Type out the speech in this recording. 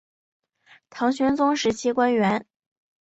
唐玄宗时期官员。